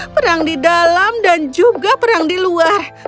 perang di dalam dan juga perang di luar